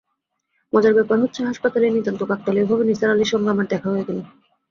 মজার ব্যাপার হচ্ছে, হাসপাতালেই নিতান্ত কাকতালীয়ভাবে নিসার আলির সঙ্গে আমার দেখা হয়ে গেল।